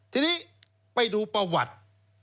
ทีนี้ไปดูประวัติ